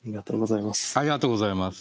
ありがとうございます。